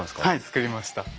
はい作りました！